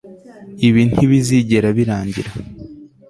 ibi ntibizigera birangira